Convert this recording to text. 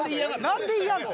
何で嫌なの？